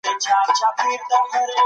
وزیرانو به سوداګریزي لاري خلاصولې.